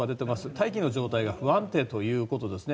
大気の状態が不安定ということですね。